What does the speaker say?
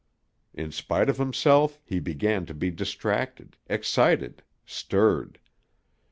In spite of himself, he began to be distracted, excited, stirred.